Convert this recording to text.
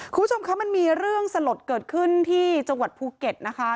คุณผู้ชมคะมันมีเรื่องสลดเกิดขึ้นที่จังหวัดภูเก็ตนะคะ